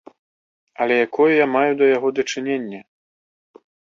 Але якое я маю да яго дачыненне?